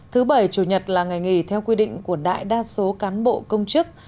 thứ bảy chủ nhật là ngày nghỉ theo quy định của đại đa số cán bộ công chức